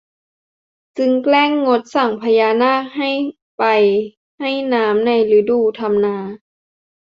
จึงแกล้งงดสั่งพญานาคให้ไปให้น้ำในฤดูทำนา